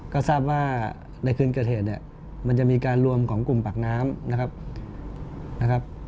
ก็ทราบว่าในคืนเกิดเหตุเนี่ยมันจะมีการรวมของกลุ่มปากน้ำนะครับ